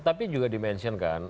tapi juga dimention kan